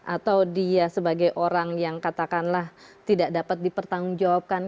atau dia sebagai orang yang katakanlah tidak dapat dipertanggungjawabkan